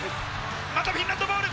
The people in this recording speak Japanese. またフィンランドボール。